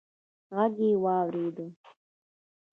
غږ يې واورېد: